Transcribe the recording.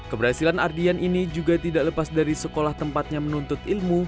keberhasilan ardian ini juga tidak lepas dari sekolah tempatnya menuntut ilmu